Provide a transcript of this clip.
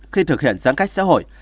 khi thực hiện giãn cách xã hội